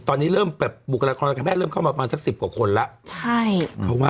ตอนนี้เริ่มแบบบุคลากรทางการแพทย์เริ่มเข้ามาประมาณสัก๑๐กว่าคนแล้ว